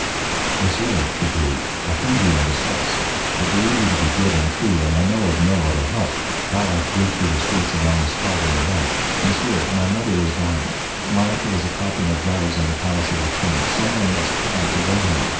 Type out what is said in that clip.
"Monsieur," she breathed, "I come to you in distress. I believe you to be good and true, and I know of no other help. How I flew through the streets among the swaggering men! Monsieur, my mother is dying. My uncle is a captain of guards in the palace of the king. Some one must fly to bring him.